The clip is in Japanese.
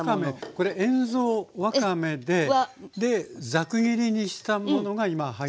これ塩蔵わかめでザク切りにしたものが今入りましたね。